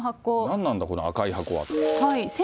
何なんだ、この赤い箱は。